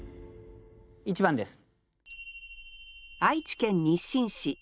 １番です。